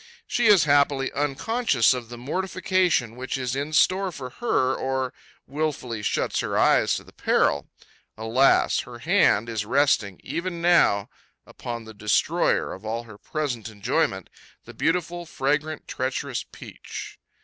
She is happily unconscious of the mortification which is in store for her, or wilfully shuts her eyes to the peril. Alas! Her hand is resting, even now, upon the destroyer of all her present enjoyment, the beautiful, fragrant, treacherous peach.